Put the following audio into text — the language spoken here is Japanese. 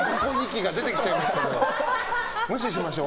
無視しましょう。